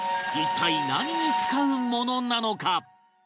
一体何に使うものなのか？